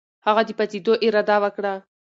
هغه د پاڅېدو اراده وکړه.